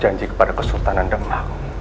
dan berjanji kepada kesultanan demak